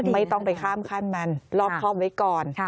ไม่ต้องไปข้ามขั้นมันรอบครอบไว้ก่อน